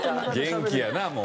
元気やなもう。